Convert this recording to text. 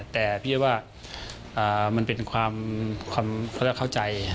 แต่พี่บอกว่ามันเป็นความเข้าใจ